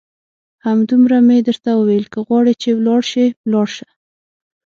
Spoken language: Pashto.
همدومره مې درته وویل، که غواړې چې ولاړ شې ولاړ شه.